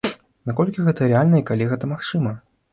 Наколькі гэта рэальна і калі гэта магчыма?